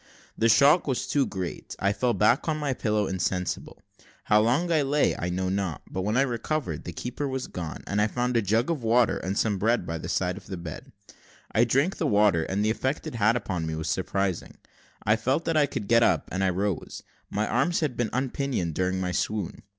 The shock was too great I fell back on my pillow insensible. How long I lay, I know not, but when I recovered, the keeper was gone, and I found a jug of water and some bread by the side of the bed. I drank the water, and the effect it had upon me was surprising. I felt that I could get up, and I rose: my arms had been unpinioned during my swoon.